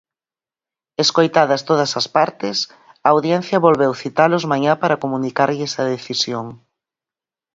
Escoitadas todas as partes, a Audiencia volveu citalos mañá para comunicarlles a decisión.